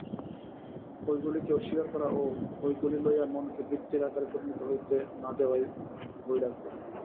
ঐগুলিকে অস্বীকার করা ও ঐগুলি লইয়া মনকে বৃত্তির আকারে পরিণত হইতে না দেওয়াই বৈরাগ্য।